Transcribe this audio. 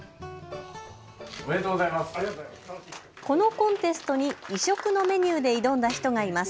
このコンテストに異色のメニューで挑んだ人がいます。